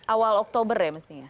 awal oktober ya mestinya